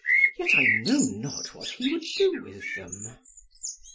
Yet I know not what he would do with them."